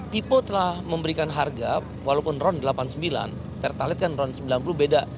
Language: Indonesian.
tipe telah memberikan harga walaupun ron delapan puluh sembilan pertalite kan ron sembilan puluh beda